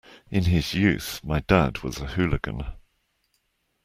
In his youth my dad was a hooligan.